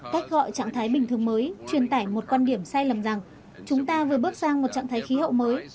cách gọi trạng thái bình thường mới truyền tải một quan điểm sai lầm rằng chúng ta vừa bước sang một trạng thái khí hậu mới